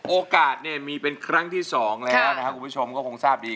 โอกาสเนี่ยมีเป็นครั้งที่๒แล้วนะครับคุณผู้ชมก็คงทราบดี